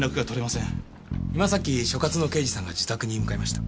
今さっき所轄の刑事さんが自宅に向かいました。